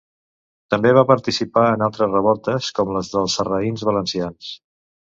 També va participar en altres revoltes, com les dels sarraïns valencians.